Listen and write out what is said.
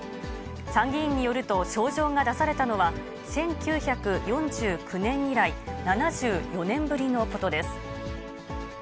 参議院によると、招状が出されたのは、１９４９年以来、７４年ぶりのことです。